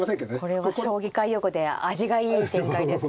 これは将棋界用語で味がいい展開ですね。